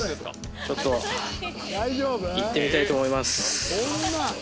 ちょっと行ってみたいと思います。